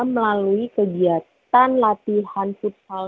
melalui kegiatan latihan futsal